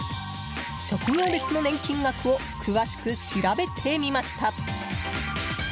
職業別の年金額を詳しく調べてみました。